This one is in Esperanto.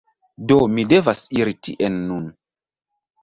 Do mi devas iri tien nun.